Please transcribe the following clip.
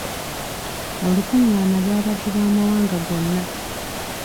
Olukungaana lwabadde lwa mawanga gonna.